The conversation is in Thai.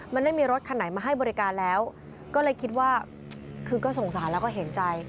มันไม่มีรถคันไหนมาให้บริการแล้วก็เลยคิดว่าคือก็สงสารแล้วก็เห็นใจ